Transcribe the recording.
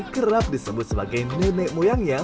kerap disebut sebagai nenek moyangnya